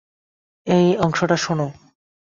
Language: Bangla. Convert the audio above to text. এই অংশটা শোনো।